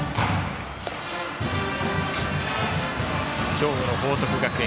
兵庫の報徳学園